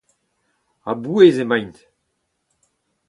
A-bouez emaint.